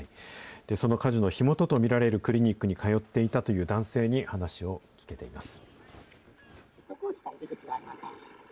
その火事の火元と見られるクリニックに通っていたという男性に話を聞いています。